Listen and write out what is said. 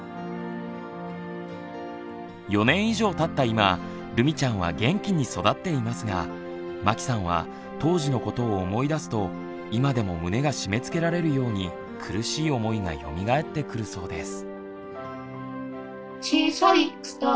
今るみちゃんは元気に育っていますがまきさんは当時のことを思い出すと今でも胸が締めつけられるように苦しい思いがよみがえってくるそうです。